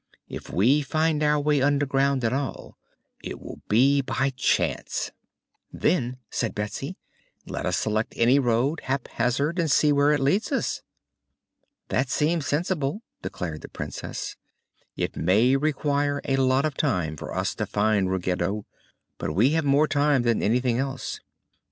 If we find our way underground at all, it will be by chance." "Then," said Betsy, "let us select any road, haphazard, and see where it leads us." "That seems sensible," declared the Princess. "It may require a lot of time for us to find Ruggedo, but we have more time than anything else."